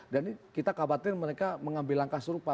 dan ini kita khawatir mereka mengambil langkah serupa